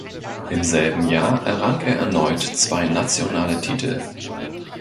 Im selben Jahr errang er erneut zwei nationale Titel.